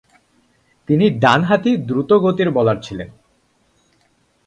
তিনি ডানহাতি দ্রুতগতির বোলার ছিলেন।